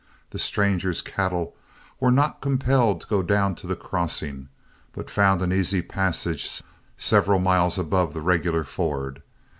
The stranger's cattle were not compelled to go down to the crossing, but found an easy passage several miles above the regular ford.